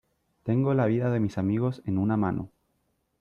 tengo la vida de mis amigos en una mano